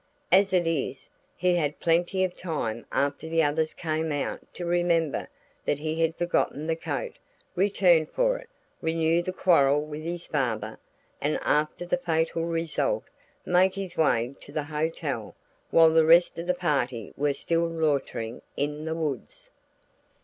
As it is, he had plenty of time after the others came out to remember that he had forgotten the coat, return for it, renew the quarrel with his father, and after the fatal result make his way to the hotel while the rest of the party were still loitering in the woods."